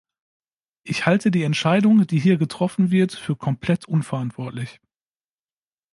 Ich halte die Entscheidung, die hier getroffen wird, für komplett unverantwortlich.